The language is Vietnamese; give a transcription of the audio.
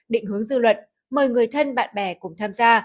định hướng dư luận mời người thân bạn bè cùng tham gia